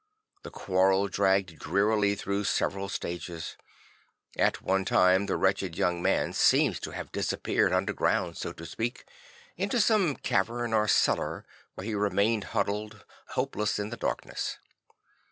The quarrel dragged drearily through several stages; at one time the wretched young man seems to have disappeared under ground, so to speak, into some cavern or cellar where he remained huddled hopelessly in the darkness.